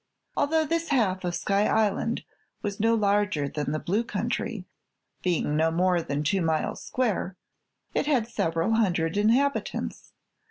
Although this half of Sky Island was no larger than the Blue Country, being no more than two miles square, it had several hundred inhabitants.